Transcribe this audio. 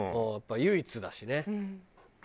やっぱり唯一だしね。